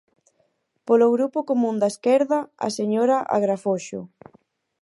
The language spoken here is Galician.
Polo Grupo Común da Esquerda, a señora Agrafoxo.